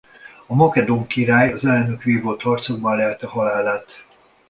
A makedón király az ellenük vívott harcokban lelte halálát.